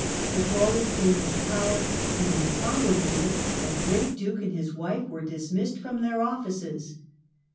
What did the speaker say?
The Tories came into power, and in the following year the great duke and his wife were dismissed from their offices.